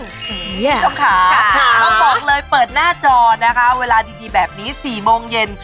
คุณผู้ชมค่ะต้องบอกเลยเปิดหน้าจอนะคะเวลาดีแบบนี้๔โมงเย็น